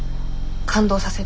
感動させる。